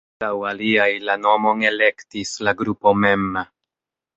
Laŭ aliaj la nomon elektis la grupo mem.